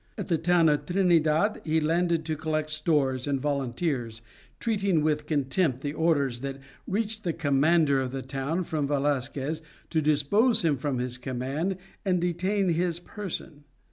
At the town of Trinidad he landed to collect stores and volunteers, treating with contempt the orders that reached the commander of the town from Velasquez to depose him from his command and detain his person.